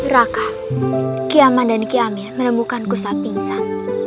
raka kiaman dan kiamil menemukanku saat pingsan